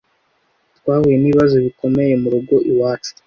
twahuye n'ibibazo bikomeye murugo iwacu